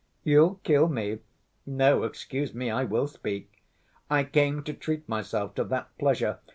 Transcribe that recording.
"You'll kill me? No, excuse me, I will speak. I came to treat myself to that pleasure.